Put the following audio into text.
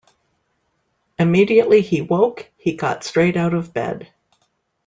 Immediately he woke he got straight out of bed.